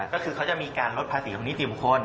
ก็คือเขาจะมีการลดภาษีของนิติบุคคล